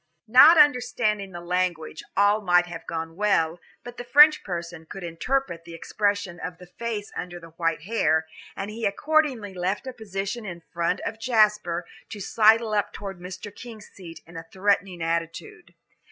Not understanding the language, all might have gone well, but the French person could interpret the expression of the face under the white hair, and he accordingly left a position in front of Jasper to sidle up toward Mr. King's seat in a threatening attitude.